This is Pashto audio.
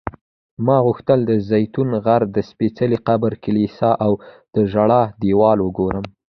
ما غوښتل د زیتون غر، د سپېڅلي قبر کلیسا او د ژړا دیوال وګورم.